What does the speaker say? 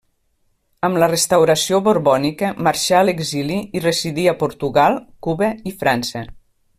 Amb la Restauració borbònica marxà a l'exili i residí a Portugal, Cuba i França.